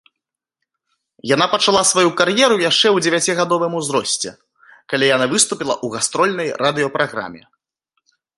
Яна пачала сваю кар'еру яшчэ ў дзевяцігадовым узросце, калі яны выступіла ў гастрольнай радыёпраграме.